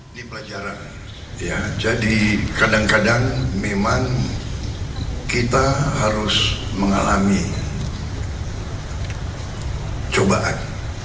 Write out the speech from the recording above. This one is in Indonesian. ini pelajaran ya jadi kadang kadang memang kita harus mengalami cobaan